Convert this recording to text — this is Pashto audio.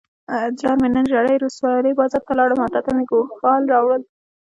جان مې نن ژرۍ ولسوالۍ بازار ته لاړم او تاته مې ګوښال راوړل.